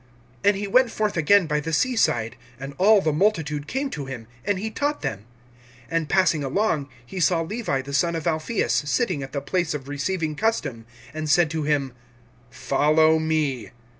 (13)And he went forth again by the sea side; and all the multitude came to him, and he taught them. (14)And passing along, he saw Levi the son of Alpheus sitting at the place of receiving custom, and said to him: Follow me.